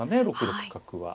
６六角は。